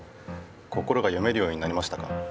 心が読めるようになりましたか？